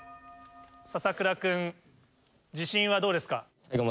篠倉君自信はどうですか？